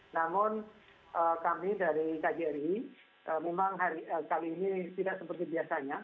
namun kami dari kjri memang kali ini tidak seperti biasanya